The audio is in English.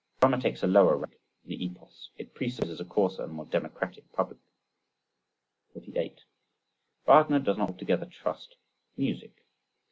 Drama takes a lower rank than the epos: it presupposes a coarser and more democratic public. 48. Wagner does not altogether trust music.